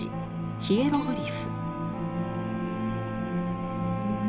ヒエログリフ。